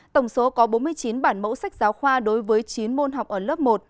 tổng số có bốn mươi chín bản mẫu sách giáo khoa đối với chín môn học ở lớp một